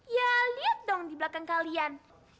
ya lihat dong di belakang kalian